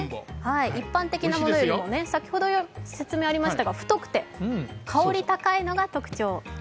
一般的なものより先ほど説明がありましたが、太くて香り高いのが特徴。